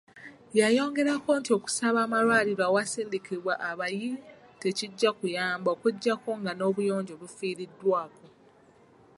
Yayongerako nti okusaba amalwaliro awasindikibwa abayi tekijja kuyamba okugyako nga n'obuyonjo bufiiriddwako.